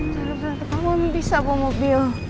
tidak ada tempat mau bisa bu mobil